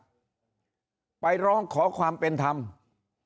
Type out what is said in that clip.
ช่องทางไหนที่เปิดให้ร้องขอความเป็นธรรมไปร้องหมด